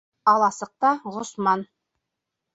Аласыҡта -Ғосман.